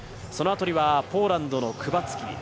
そのあとにはポーランドのクバツキ。